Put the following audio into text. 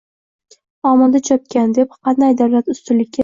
«omadi chopgan» har qanday davlat ustunlikka